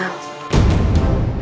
yang tidak dikenal